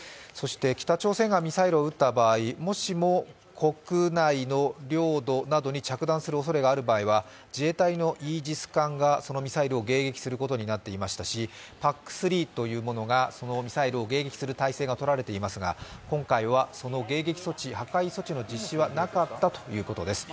北朝鮮がミサイルを撃った場合、もしも国内の領土などに着弾するおそれがある場合は、自衛隊のイージス艦がそのミサイルを迎撃することになっていましたしＰＡＣ３というものがミサイルを迎撃する態勢がとられていますが今回はその迎撃措置、破壊措置の実施はなかったということです。